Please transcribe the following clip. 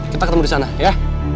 kita ketemu disana ya